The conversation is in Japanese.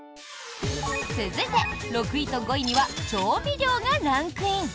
続いて、６位と５位には調味料がランクイン！